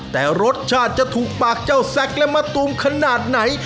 แต่รสชาติจะถูกปากเจ้าแซ็กและมะตูมขนาดไหน